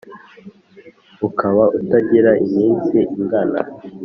ukaba utagira iminsi ingana